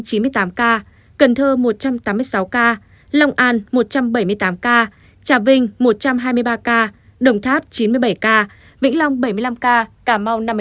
cần thơ một trăm tám mươi sáu ca long an một trăm bảy mươi tám ca trà vinh một trăm hai mươi ba ca đồng tháp chín mươi bảy ca vĩnh long bảy mươi năm ca cà mau năm mươi tám ca